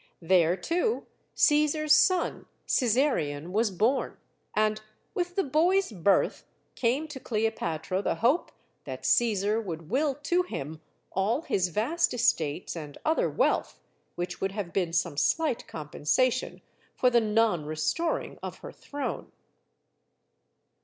There, too, Caesar's son, Caesarion, was born; and with the boy's birth came to Cleopatra the hope that Caesar would will to him all his vast estates and other wealth; which would have been some slight compensation for the nonrestor ing of her throne.